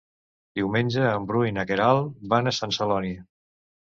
Diumenge en Bru i na Queralt van a Sant Celoni.